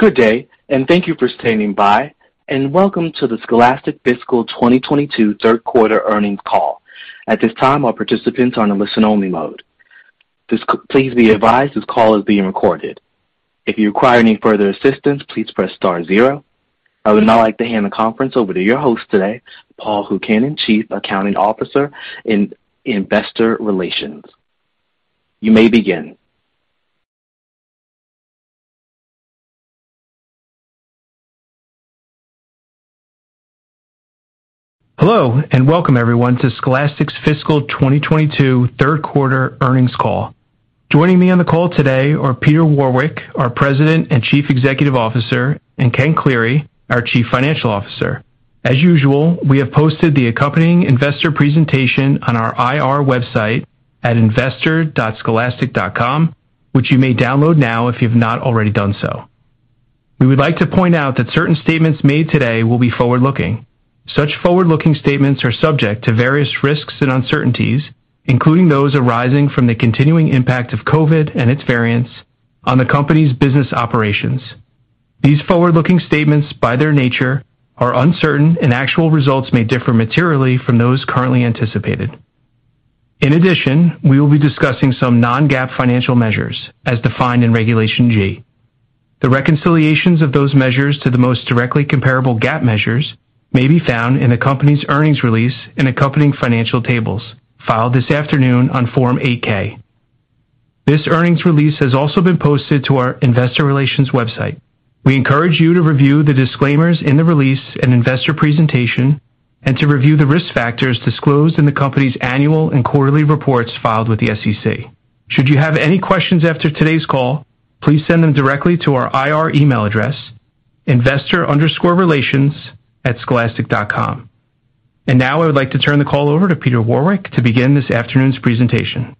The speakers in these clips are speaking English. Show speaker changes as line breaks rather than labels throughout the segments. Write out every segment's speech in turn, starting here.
Good day, and thank you for standing by, and welcome to the Scholastic Fiscal 2022 third quarter earnings call. At this time, all participants are in listen-only mode. Please be advised this call is being recorded. If you require any further assistance, please press star zero. I would now like to hand the conference over to your host today, Paul Hukkanen, Chief Accounting Officer in Investor Relations. You may begin.
Hello, and welcome everyone to Scholastic's fiscal 2022 third quarter earnings call. Joining me on the call today are Peter Warwick, our President and Chief Executive Officer, and Ken Cleary, our Chief Financial Officer. As usual, we have posted the accompanying investor presentation on our IR website at investor.scholastic.com, which you may download now if you've not already done so. We would like to point out that certain statements made today will be forward-looking. Such forward-looking statements are subject to various risks and uncertainties, including those arising from the continuing impact of COVID and its variants on the company's business operations. These forward-looking statements, by their nature, are uncertain and actual results may differ materially from those currently anticipated. In addition, we will be discussing some non-GAAP financial measures as defined in Regulation G. The reconciliations of those measures to the most directly comparable GAAP measures may be found in the company's earnings release and accompanying financial tables filed this afternoon on Form 8-K. This earnings release has also been posted to our investor relations website. We encourage you to review the disclaimers in the release and investor presentation and to review the risk factors disclosed in the company's annual and quarterly reports filed with the SEC. Should you have any questions after today's call, please send them directly to our IR email address, investor_relations@scholastic.com. Now I would like to turn the call over to Peter Warwick to begin this afternoon's presentation.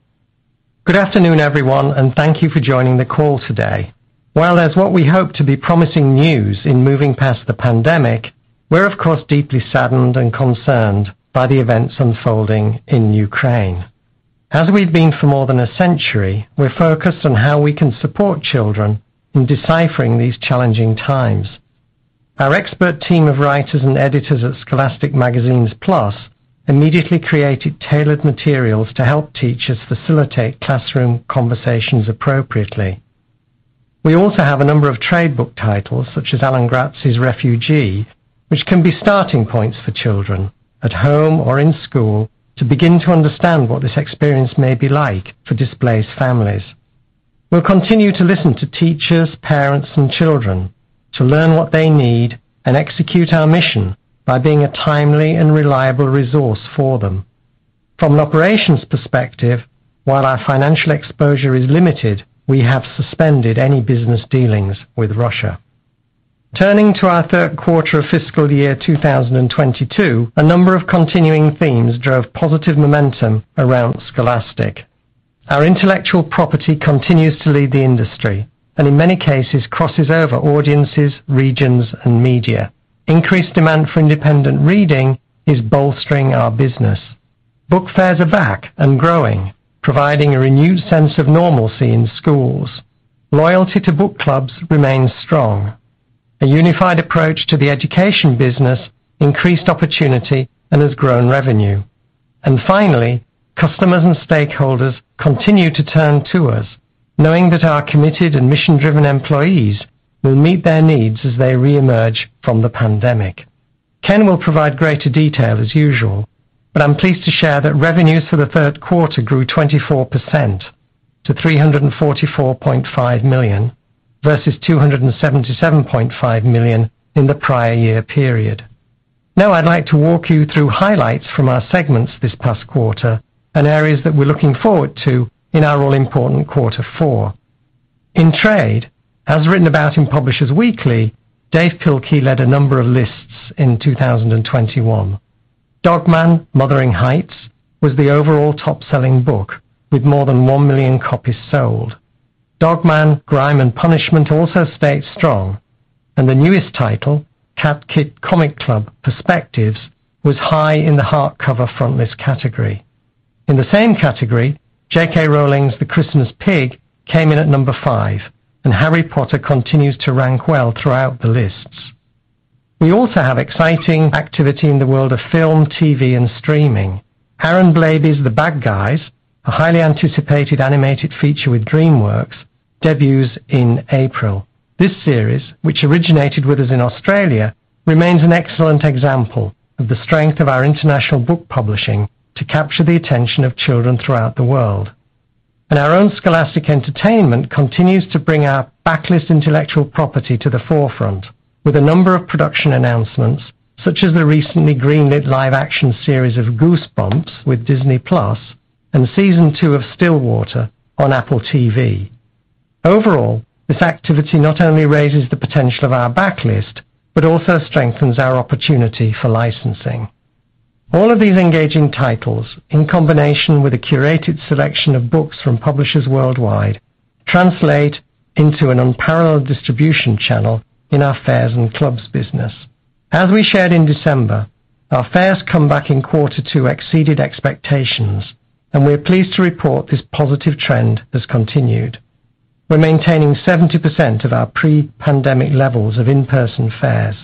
Good afternoon, everyone, and thank you for joining the call today. While there's what we hope to be promising news in moving past the pandemic, we're of course deeply saddened and concerned by the events unfolding in Ukraine. As we've been for more than a century, we're focused on how we can support children in deciphering these challenging times. Our expert team of writers and editors at Scholastic Magazines+ immediately created tailored materials to help teachers facilitate classroom conversations appropriately. We also have a number of Trade book titles such as Alan Gratz's Refugee, which can be starting points for children at home or in school to begin to understand what this experience may be like for displaced families. We'll continue to listen to teachers, parents, and children to learn what they need and execute our mission by being a timely and reliable resource for them. From an operations perspective, while our financial exposure is limited, we have suspended any business dealings with Russia. Turning to our third quarter of fiscal year 2022, a number of continuing themes drove positive momentum around Scholastic. Our intellectual property continues to lead the industry and in many cases crosses over audiences, regions and media. Increased demand for independent reading is bolstering our business. Book Fairs are back and growing, providing a renewed sense of normalcy in schools. Loyalty to Book Clubs remains strong. A unified approach to the education business increased opportunity and has grown revenue. Finally, customers and stakeholders continue to turn to us knowing that our committed and mission-driven employees will meet their needs as they re-emerge from the pandemic. Ken will provide greater detail as usual, but I'm pleased to share that revenues for the third quarter grew 24% to $344.5 million, versus $277.5 million in the prior year period. Now I'd like to walk you through highlights from our segments this past quarter and areas that we're looking forward to in our all-important quarter four. In Trade, as written about in Publishers Weekly, Dav Pilkey led a number of lists in 2021. Dog Man: Mothering Heights was the overall top-selling book, with more than 1 million copies sold. Dog Man: Grime and Punishment also stayed strong, and the newest title, Cat Kid Comic Club: Perspectives, was high in the hardcover front list category. In the same category, J.K. Rowling's The Christmas Pig came in at number five, and Harry Potter continues to rank well throughout the lists. We also have exciting activity in the world of film, TV, and streaming. Aaron Blabey's The Bad Guys, a highly anticipated animated feature with DreamWorks, debuts in April. This series, which originated with us in Australia, remains an excellent example of the strength of our international book publishing to capture the attention of children throughout the world. Our own Scholastic Entertainment continues to bring our backlist intellectual property to the forefront with a number of production announcements, such as the recently green-lit live action series of Goosebumps with Disney+ and season two of Stillwater on Apple TV. Overall, this activity not only raises the potential of our backlist, but also strengthens our opportunity for licensing. All of these engaging titles, in combination with a curated selection of books from publishers worldwide, translate into an unparalleled distribution channel in our fairs and clubs business. As we shared in December, our fairs comeback in quarter two exceeded expectations, and we are pleased to report this positive trend has continued. We're maintaining 70% of our pre-pandemic levels of in-person fairs.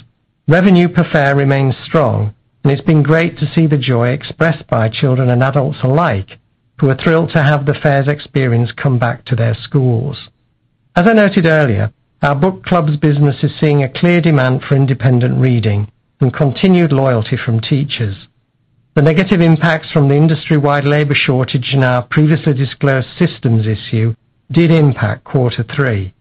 Revenue per fair remains strong, and it's been great to see the joy expressed by children and adults alike, who are thrilled to have the fairs experience come back to their schools. As I noted earlier, our Book Clubs business is seeing a clear demand for independent reading and continued loyalty from teachers. The negative impacts from the industry-wide labor shortage and our previously disclosed systems issue did impact quarter three.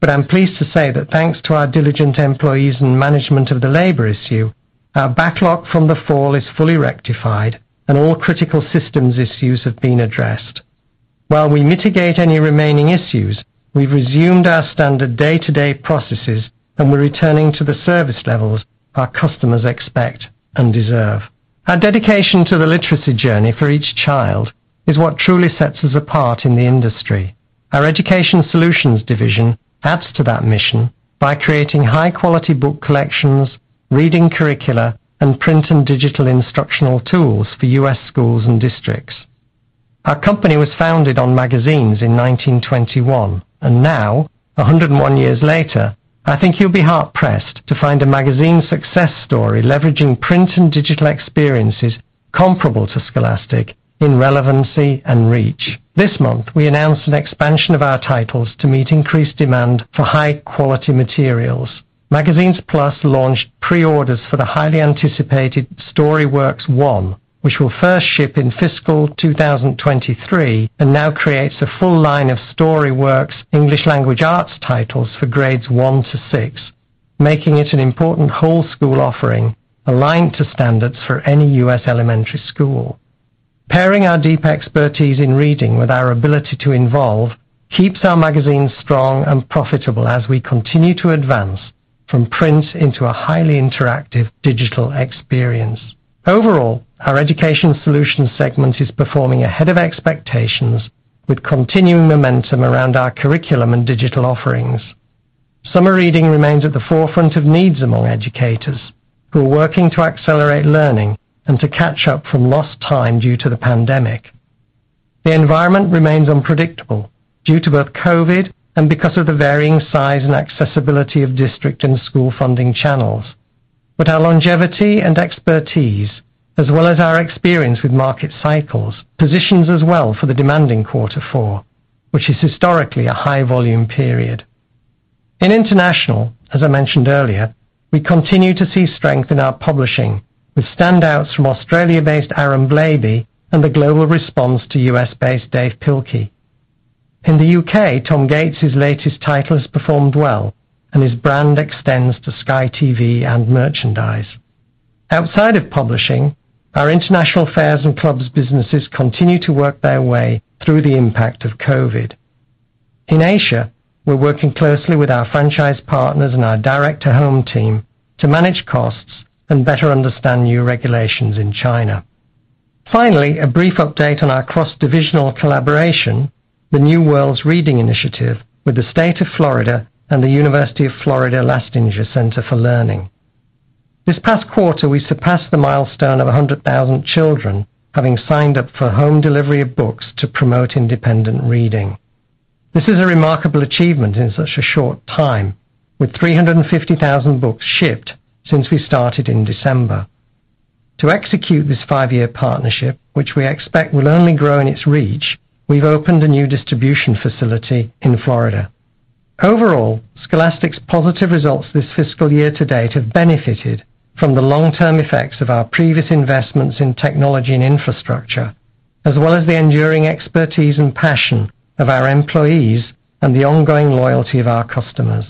I'm pleased to say that thanks to our diligent employees and management of the labor issue, our backlog from the fall is fully rectified and all critical systems issues have been addressed. While we mitigate any remaining issues, we've resumed our standard day-to-day processes, and we're returning to the service levels our customers expect and deserve. Our dedication to the literacy journey for each child is what truly sets us apart in the industry. Our Education Solutions division adds to that mission by creating high-quality book collections, reading curricula, and print and digital instructional tools for U.S. schools and districts. Our company was founded on magazines in 1921, and now, 101 years later, I think you'll be hard-pressed to find a magazine success story leveraging print and digital experiences comparable to Scholastic in relevancy and reach. This month, we announced an expansion of our titles to meet increased demand for high-quality materials. Scholastic Magazines+ launched pre-orders for the highly anticipated Storyworks 1, which will first ship in fiscal 2023 and now creates a full line of Storyworks English Language Arts titles for grades one to six, making it an important whole school offering aligned to standards for any U.S. elementary school. Pairing our deep expertise in reading with our ability to involve keeps our magazines strong and profitable as we continue to advance from print into a highly interactive digital experience. Overall, our Education Solutions segment is performing ahead of expectations with continuing momentum around our curriculum and digital offerings. Summer reading remains at the forefront of needs among educators who are working to accelerate learning and to catch up from lost time due to the pandemic. The environment remains unpredictable due to both COVID and because of the varying size and accessibility of district and school funding channels. Our longevity and expertise, as well as our experience with market cycles, positions us well for the demanding quarter four, which is historically a high volume period. In international, as I mentioned earlier, we continue to see strength in our publishing with standouts from Australia-based Aaron Blabey and the global response to U.S.-based Dav Pilkey. In the U.K., Tom Gates, his latest title, has performed well, and his brand extends to Sky TV and merchandise. Outside of publishing, our international fairs and clubs businesses continue to work their way through the impact of COVID. In Asia, we're working closely with our franchise partners and our direct-to-home team to manage costs and better understand new regulations in China. Finally, a brief update on our cross-divisional collaboration, the New Worlds Reading Initiative with the State of Florida and the University of Florida Lastinger Center for Learning. This past quarter, we surpassed the milestone of 100,000 children, having signed up for home delivery of books to promote independent reading. This is a remarkable achievement in such a short time, with 350,000 books shipped since we started in December. To execute this five-year partnership, which we expect will only grow in its reach, we've opened a new distribution facility in Florida. Overall, Scholastic's positive results this fiscal year to date have benefited from the long-term effects of our previous investments in technology and infrastructure, as well as the enduring expertise and passion of our employees and the ongoing loyalty of our customers.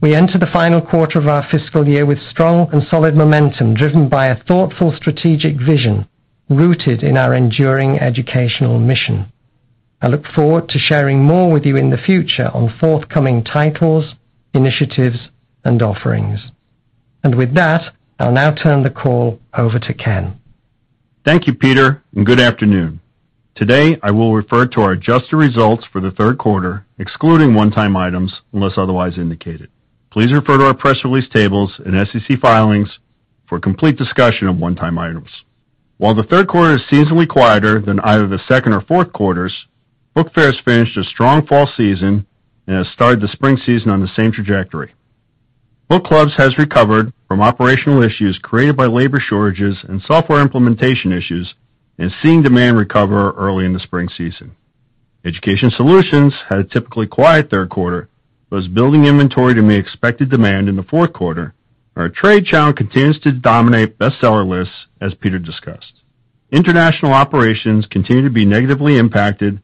We enter the final quarter of our fiscal year with strong and solid momentum driven by a thoughtful strategic vision rooted in our enduring educational mission. I look forward to sharing more with you in the future on forthcoming titles, initiatives, and offerings. With that, I'll now turn the call over to Ken.
Thank you, Peter, and good afternoon. Today, I will refer to our adjusted results for the third quarter, excluding one-time items, unless otherwise indicated. Please refer to our press release tables and SEC filings for a complete discussion of one-time items. While the third quarter is seasonally quieter than either the second or fourth quarters, Book Fair has finished a strong fall season and has started the spring season on the same trajectory. Book Clubs has recovered from operational issues created by labor shortages and software implementation issues and is seeing demand recover early in the spring season. Education Solutions had a typically quiet third quarter but is building inventory to meet expected demand in the fourth quarter. Our Trade channel continues to dominate bestseller lists as Peter discussed. International operations continue to be negatively impacted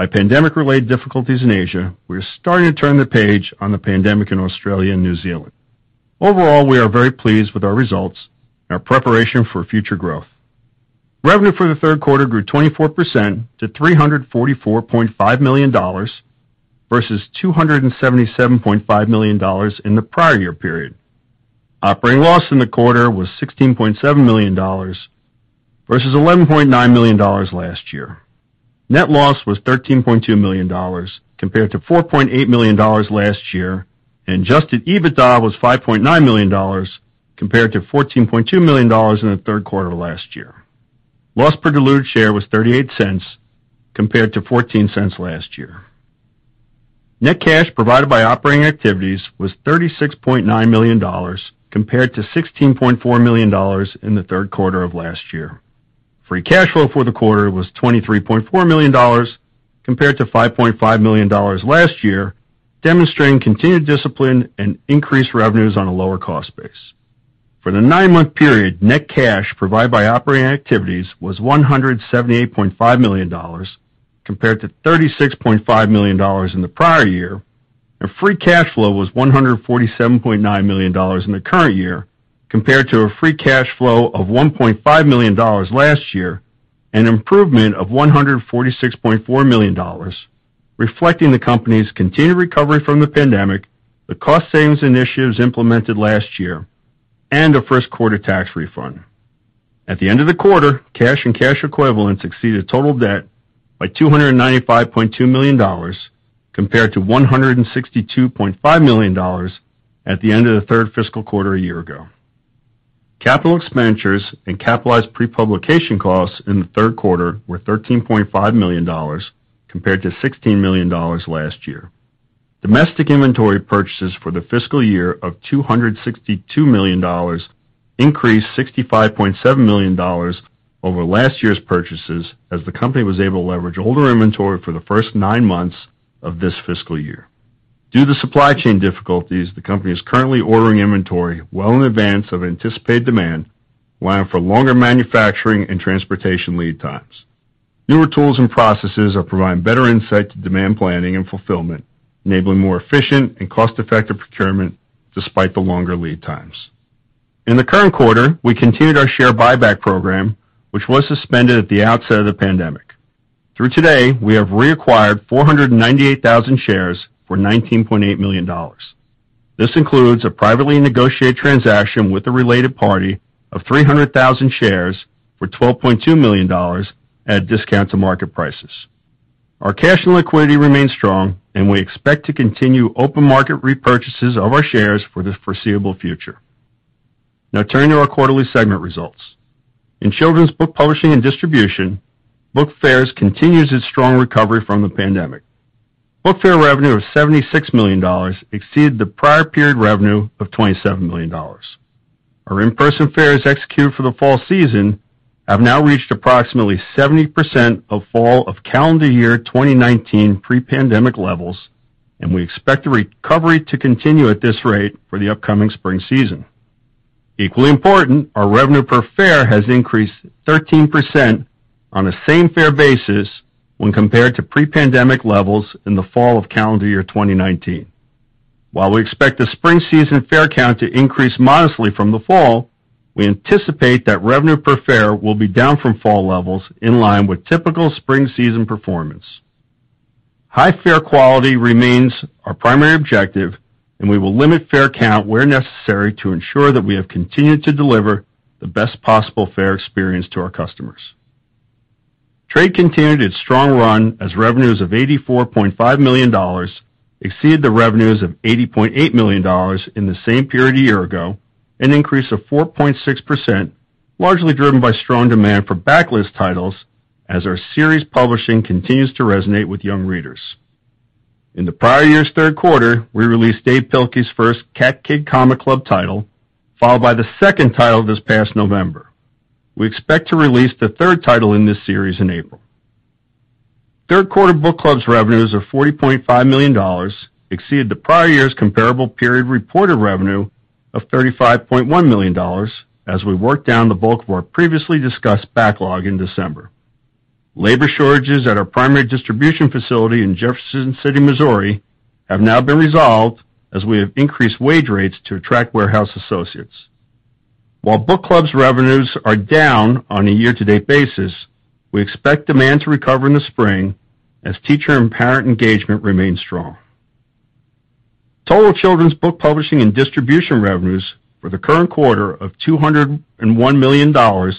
by pandemic-related difficulties in Asia. We are starting to turn the page on the pandemic in Australia and New Zealand. Overall, we are very pleased with our results and our preparation for future growth. Revenue for the third quarter grew 24% to $344.5 million versus $277.5 million in the prior year period. Operating loss in the quarter was $16.7 million versus $11.9 million last year. Net loss was $13.2 million compared to $4.8 million last year, and adjusted EBITDA was $5.9 million compared to $14.2 million in the third quarter last year. Loss per diluted share was $0.38 compared to $0.14 last year. Net cash provided by operating activities was $36.9 million compared to $16.4 million in the third quarter of last year. Free cash flow for the quarter was $23.4 million compared to $5.5 million last year, demonstrating continued discipline and increased revenues on a lower cost base. For the nine-month period, net cash provided by operating activities was $178.5 million compared to $36.5 million in the prior year. Free cash flow was $147.9 million in the current year compared to a free cash flow of $1.5 million last year, an improvement of $146.4 million, reflecting the company's continued recovery from the pandemic, the cost savings initiatives implemented last year and a first quarter tax refund. At the end of the quarter, cash and cash equivalents exceeded total debt by $295.2 million compared to $162.5 million at the end of the third fiscal quarter a year ago. Capital expenditures and capitalized pre-publication costs in the third quarter were $13.5 million compared to $16 million last year. Domestic inventory purchases for the fiscal year of $262 million increased $65.7 million over last year's purchases as the company was able to leverage older inventory for the first nine months of this fiscal year. Due to supply chain difficulties, the company is currently ordering inventory well in advance of anticipated demand, allowing for longer manufacturing and transportation lead times. Newer tools and processes are providing better insight to demand planning and fulfillment, enabling more efficient and cost-effective procurement despite the longer lead times. In the current quarter, we continued our share buyback program, which was suspended at the outset of the pandemic. Through today, we have reacquired 498,000 shares for $19.8 million. This includes a privately negotiated transaction with a related party of 300,000 shares for $12.2 million at a discount to market prices. Our cash and liquidity remain strong and we expect to continue open market repurchases of our shares for the foreseeable future. Now turning to our quarterly segment results. In Children's Book Publishing and Distribution, Book Fairs continues its strong recovery from the pandemic. Book Fairs revenue of $76 million exceeded the prior period revenue of $27 million. Our in-person fairs executed for the fall season have now reached approximately 70% of fall of calendar year 2019 pre-pandemic levels, and we expect the recovery to continue at this rate for the upcoming spring season. Equally important, our revenue per fair has increased 13% on a same fair basis when compared to pre-pandemic levels in the fall of calendar year 2019. While we expect the spring season fair count to increase modestly from the fall, we anticipate that revenue per fair will be down from fall levels in line with typical spring season performance. High fair quality remains our primary objective, and we will limit fair count where necessary to ensure that we have continued to deliver the best possible fair experience to our customers. Trade continued its strong run as revenues of $84.5 million exceed the revenues of $80.8 million in the same period a year ago, an increase of 4.6%, largely driven by strong demand for backlist titles as our series publishing continues to resonate with young readers. In the prior year's third quarter, we released Dav Pilkey's first Cat Kid Comic Club title, followed by the second title this past November. We expect to release the third title in this series in April. Third quarter Book Clubs revenues of $40.5 million exceeded the prior year's comparable period reported revenue of $35.1 million as we worked down the bulk of our previously discussed backlog in December. Labor shortages at our primary distribution facility in Jefferson City, Missouri, have now been resolved as we have increased wage rates to attract warehouse associates. While Book Clubs revenues are down on a year-to-date basis, we expect demand to recover in the spring as teacher and parent engagement remains strong. Total Children's Book Publishing and Distribution revenues for the current quarter of $201 million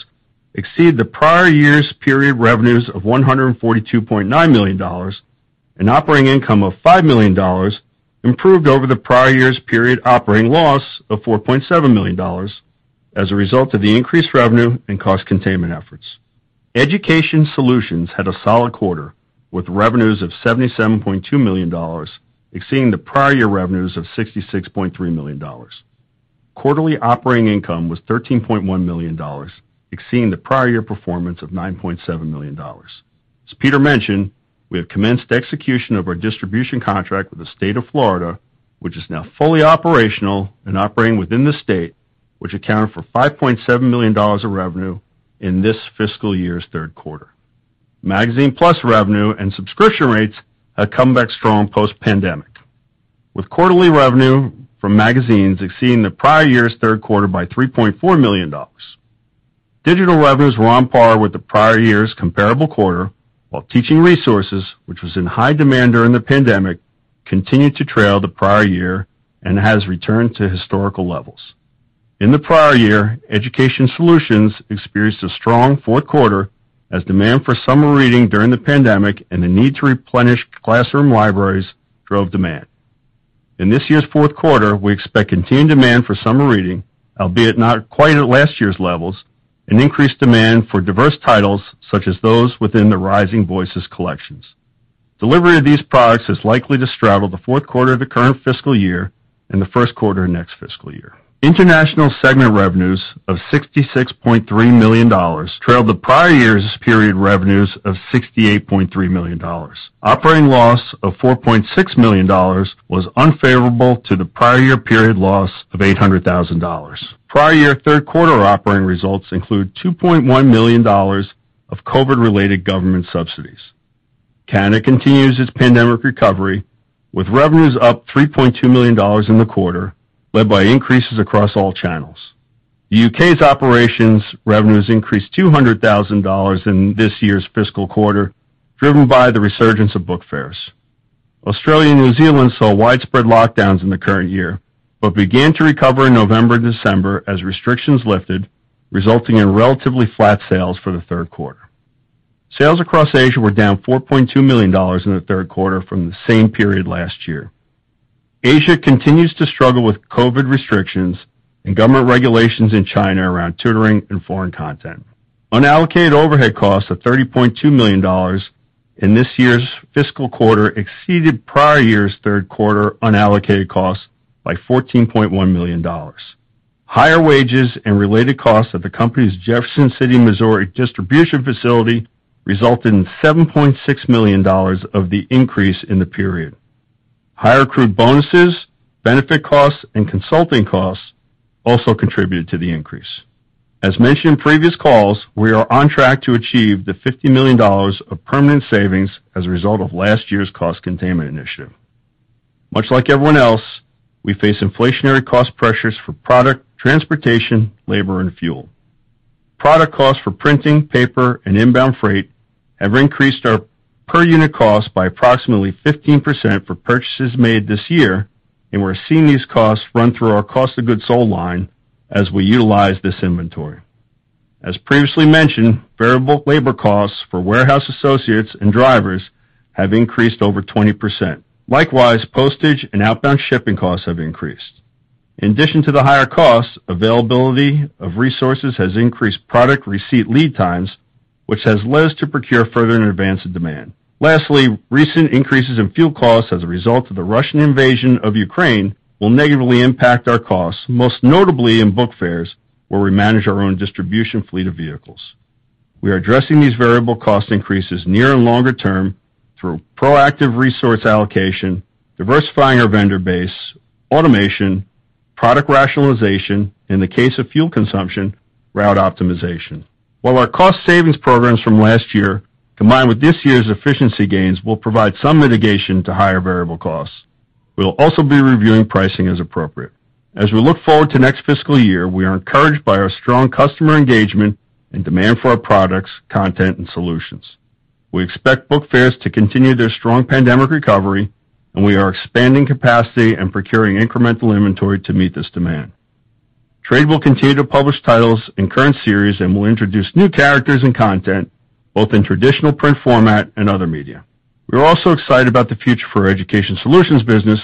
exceed the prior year's period revenues of $142.9 million. Operating income of $5 million improved over the prior year's period operating loss of $4.7 million as a result of the increased revenue and cost containment efforts. Education Solutions had a solid quarter, with revenues of $77.2 million exceeding the prior year revenues of $66.3 million. Quarterly operating income was $13.1 million, exceeding the prior year performance of $9.7 million. As Peter mentioned, we have commenced execution of our distribution contract with the state of Florida, which is now fully operational and operating within the state, which accounted for $5.7 million of revenue in this fiscal year's third quarter. Magazines+ revenue and subscription rates have come back strong post-pandemic, with quarterly revenue from magazines exceeding the prior year's third quarter by $3.4 million. Digital revenues were on par with the prior year's comparable quarter, while teaching resources, which was in high demand during the pandemic, continued to trail the prior year and has returned to historical levels. In the prior year, Education Solutions experienced a strong fourth quarter as demand for summer reading during the pandemic and the need to replenish classroom libraries drove demand. In this year's fourth quarter, we expect continued demand for summer reading, albeit not quite at last year's levels, and increased demand for diverse titles such as those within the Rising Voices Library. Delivery of these products is likely to straddle the fourth quarter of the current fiscal year and the first quarter of next fiscal year. International segment revenues of $66.3 million trailed the prior year's period revenues of $68.3 million. Operating loss of $4.6 million was unfavorable to the prior year period loss of $800,000. Prior year third quarter operating results include $2.1 million of COVID-related government subsidies. Canada continues its pandemic recovery, with revenues up $3.2 million in the quarter, led by increases across all channels. The U.K.'s operations revenues increased $200,000 in this year's fiscal quarter, driven by the resurgence of Book Fairs. Australia and New Zealand saw widespread lockdowns in the current year, but began to recover in November and December as restrictions lifted, resulting in relatively flat sales for the third quarter. Sales across Asia were down $4.2 million in the third quarter from the same period last year. Asia continues to struggle with COVID restrictions and government regulations in China around tutoring and foreign content. Unallocated overhead costs of $30.2 million in this year's fiscal quarter exceeded prior year's third quarter unallocated costs by $14.1 million. Higher wages and related costs at the company's Jefferson City, Missouri, distribution facility resulted in $7.6 million of the increase in the period. Higher accrued bonuses, benefit costs, and consulting costs also contributed to the increase. As mentioned in previous calls, we are on track to achieve the $50 million of permanent savings as a result of last year's cost containment initiative. Much like everyone else, we face inflationary cost pressures for product, transportation, labor, and fuel. Product costs for printing, paper, and inbound freight have increased our per unit cost by approximately 15% for purchases made this year, and we're seeing these costs run through our cost of goods sold line as we utilize this inventory. As previously mentioned, variable labor costs for warehouse associates and drivers have increased over 20%. Likewise, postage and outbound shipping costs have increased. In addition to the higher costs, availability of resources has increased product receipt lead times, which has led us to procure further in advance of demand. Lastly, recent increases in fuel costs as a result of the Russian invasion of Ukraine will negatively impact our costs, most notably in Book Fairs, where we manage our own distribution fleet of vehicles. We are addressing these variable cost increases near- and long-term through proactive resource allocation, diversifying our vendor base, automation, product rationalization, in the case of fuel consumption, route optimization. While our cost savings programs from last year, combined with this year's efficiency gains, will provide some mitigation to higher variable costs, we'll also be reviewing pricing as appropriate. As we look forward to next fiscal year, we are encouraged by our strong customer engagement and demand for our products, content, and solutions. We expect Book Fairs to continue their strong pandemic recovery, and we are expanding capacity and procuring incremental inventory to meet this demand. Trade will continue to publish titles in current series and will introduce new characters and content, both in traditional print format and other media. We're also excited about the future for our Education Solutions business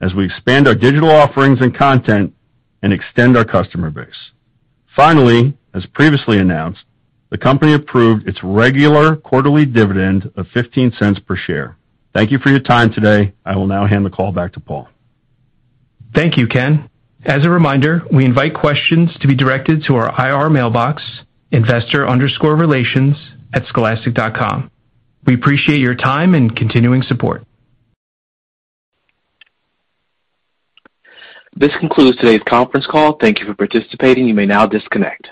as we expand our digital offerings and content and extend our customer base. Finally, as previously announced, the company approved its regular quarterly dividend of $0.15 per share. Thank you for your time today. I will now hand the call back to Paul.
Thank you, Ken. As a reminder, we invite questions to be directed to our IR mailbox, investor_relations@scholastic.com. We appreciate your time and continuing support.
This concludes today's conference call. Thank you for participating. You may now disconnect.